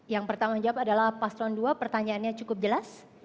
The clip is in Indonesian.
yang pertama jawab adalah pasron ii pertanyaannya cukup jelas